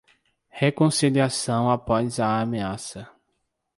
Reconciliação após a ameaça